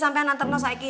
sampai nantep lo saiki